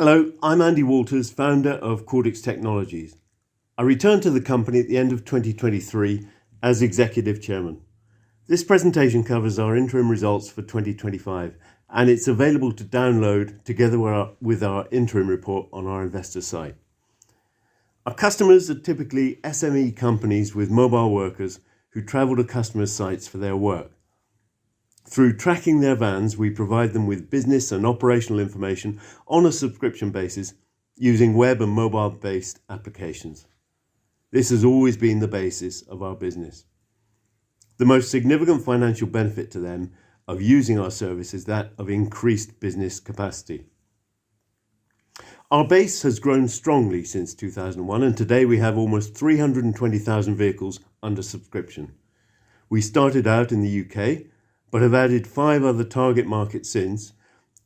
Hello, I'm Andy Walters, founder of Quartix Technologies. I returned to the company at the end of 2023 as Executive Chairman. This presentation covers our interim results for 2025, and it's available to download together with our interim report on our investor site. Our customers are typically SME companies with mobile workers who travel to customer sites for their work. Through tracking their vans, we provide them with business and operational information on a subscription basis using web and mobile-based applications. This has always been the basis of our business. The most significant financial benefit to them of using our service is that of increased business capacity. Our base has grown strongly since 2001, and today we have almost 320,000 vehicles under subscription. We started out in the UK, but have added five other target markets since,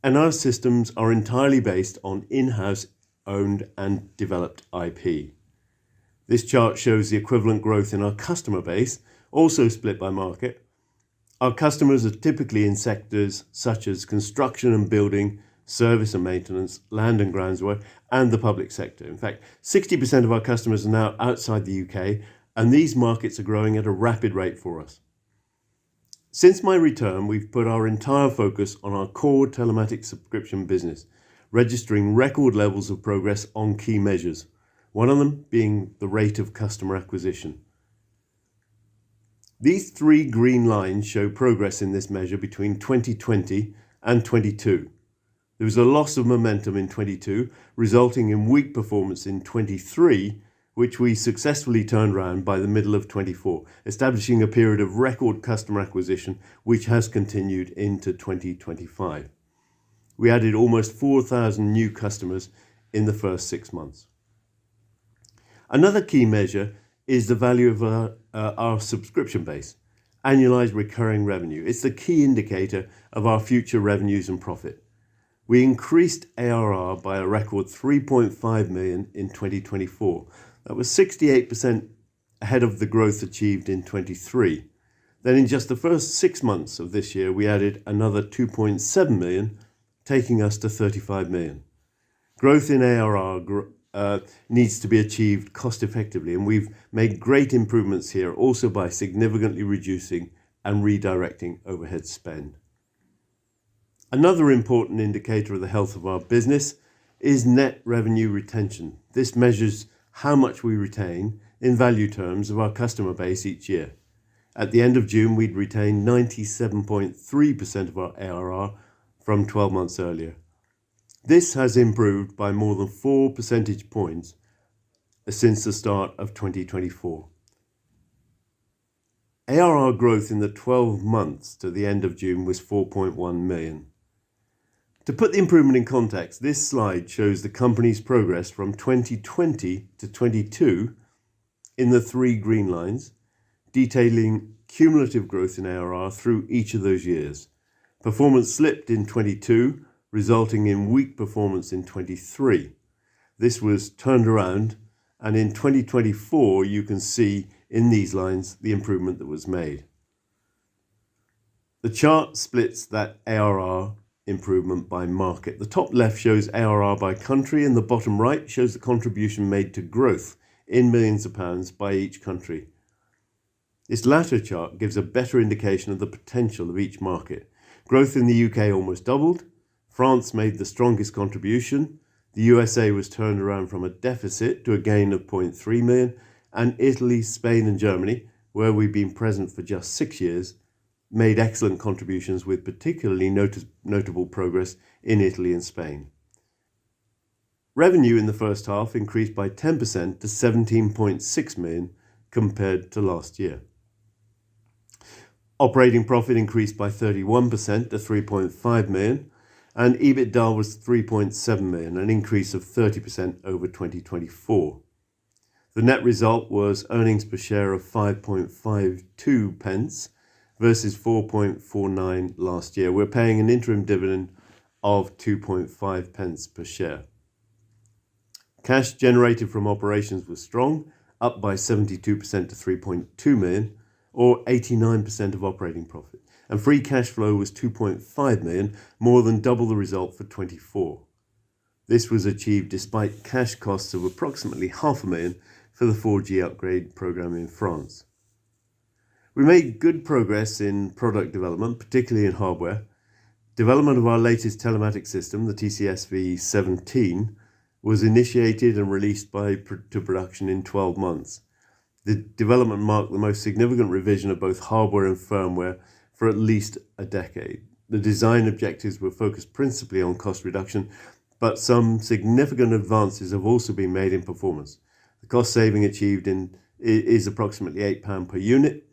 and our systems are entirely based on in-house owned and developed IP. This chart shows the equivalent growth in our customer base, also split by market. Our customers are typically in sectors such as construction and building, service and maintenance, land and grounds work, and the public sector. In fact, 60% of our customers are now outside the U.K., and these markets are growing at a rapid rate for us. Since my return, we've put our entire focus on our core telematics subscription business, registering record levels of progress on key measures, one of them being the rate of customer acquisition. These three green lines show progress in this measure between 2020 and 2022. There was a loss of momentum in 2022, resulting in weak performance in 2023, which we successfully turned around by the middle of 2024, establishing a period of record customer acquisition, which has continued into 2025. We added almost 4,000 new customers in the first six months. Another key measure is the value of our subscription base, annualized recurring revenue (ARR). It's the key indicator of our future revenues and profit. We increased ARR by a record 3.5 million in 2024. That was 68% ahead of the growth achieved in 2023. In just the first six months of this year, we added another 2.7 million, taking us to 35 million. Growth in ARR needs to be achieved cost-effectively, and we've made great improvements here also by significantly reducing and redirecting overhead spend. Another important indicator of the health of our business is net revenue retention. This measures how much we retain in value terms of our customer base each year. At the end of June, we'd retained 97.3% of our ARR from 12 months earlier. This has improved by more than four percentage points since the start of 2024. ARR growth in the 12 months to the end of June was 4.1 million. To put the improvement in context, this slide shows the company's progress from 2020 to 2022 in the three green lines, detailing cumulative growth in ARR through each of those years. Performance slipped in 2022, resulting in weak performance in 2023. This was turned around, and in 2024, you can see in these lines the improvement that was made. The chart splits that ARR improvement by market. The top left shows ARR by country, and the bottom right shows the contribution made to growth in millions of pounds by each country. This latter chart gives a better indication of the potential of each market. Growth in the UK almost doubled. France made the strongest contribution. The USA was turned around from a deficit to a gain of 0.3 million, and Italy, Spain, and Germany, where we've been present for just six years, made excellent contributions with particularly notable progress in Italy and Spain. Revenue in the first half increased by 10% to 17.6 million compared to last year. Operating profit increased by 31% to 3.5 million, and EBITDA was 3.7 million, an increase of 30% over 2024. The net result was earnings per share of 0.0552 versus 0.0449 last year. We're paying an interim dividend of 0.025 per share. Cash generated from operations was strong, up by 72% to 3.2 million, or 89% of operating profit, and free cash flow was 2.5 million, more than double the result for 2024. This was achieved despite cash costs of approximately 0.5 million for the 4G upgrade program in France. We made good progress in product development, particularly in hardware. Development of our latest telematics system, the TCSV 17, was initiated and released to production in 12 months. The development marked the most significant revision of both hardware and firmware for at least a decade. The design objectives were focused principally on cost reduction, but some significant advances have also been made in performance. The cost saving achieved is approximately 8 pound per unit,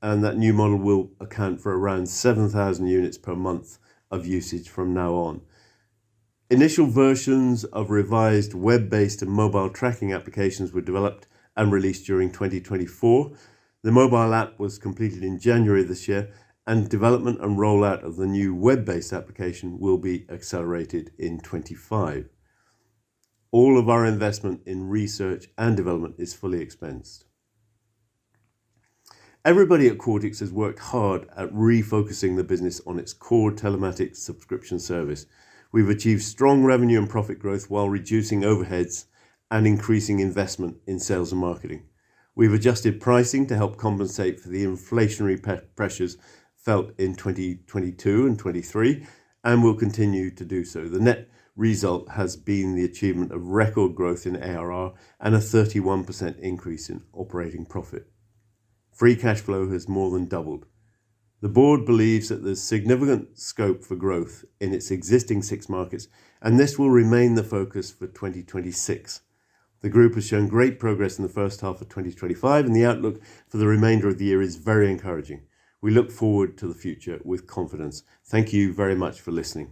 and that new model will account for around 7,000 units per month of usage from now on. Initial versions of revised web-based and mobile tracking applications were developed and released during 2024. The mobile app was completed in January this year, and development and rollout of the new web-based application will be accelerated in 2025. All of our investment in research and development is fully expensed. Everybody at Quartix has worked hard at refocusing the business on its core telematics subscription service. We've achieved strong revenue and profit growth while reducing overheads and increasing investment in sales and marketing. We've adjusted pricing to help compensate for the inflationary pressures felt in 2022 and 2023, and we'll continue to do so. The net result has been the achievement of record growth in ARR and a 31% increase in operating profit. Free cash flow has more than doubled. The board believes that there's significant scope for growth in its existing six markets, and this will remain the focus for 2026. The group has shown great progress in the first half of 2025, and the outlook for the remainder of the year is very encouraging. We look forward to the future with confidence. Thank you very much for listening.